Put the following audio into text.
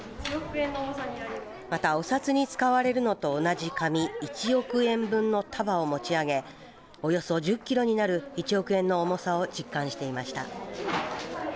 また、お札に使われるのと同じ紙１億円分の束を持ち上げおよそ１０キロになる１億円の重さを実感していました。